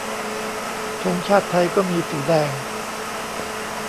ธงชาติไทยก็มีสีแดง